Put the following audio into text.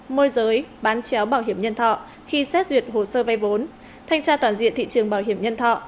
môi giới bán chéo bảo hiểm nhân thọ khi xét duyệt hồ sơ vay vốn thanh tra toàn diện thị trường bảo hiểm nhân thọ